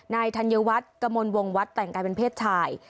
นายธัญวัฒน์กมลวงวัฒน์แต่งกายเป็นเพศชาย